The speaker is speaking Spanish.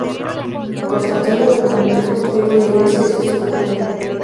Constantino le prometió construir una iglesia si esto ocurriera.